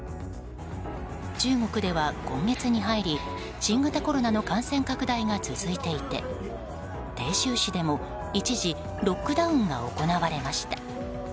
中国では今月に入り新型コロナの感染拡大が続いていて鄭州市でも一時ロックダウンが行われました。